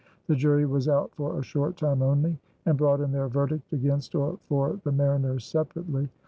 The jury was out for a short time only and brought in their verdict against or for the mariners separately.